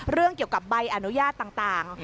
เรื่องเกี่ยวกับใบอนุญาตต่าง